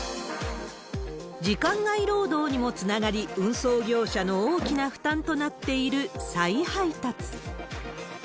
時間外労働にもつながり、運送業者の大きな負担となっている再配達。